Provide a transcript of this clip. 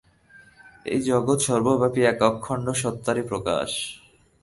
এই জগৎ সর্বব্যাপী এক অখণ্ড সত্তারই প্রকাশ।